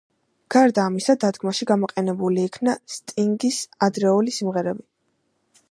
გარდა ამისა, დადგმაში გამოყენებული იქნა სტინგის ადრეული სიმღერები.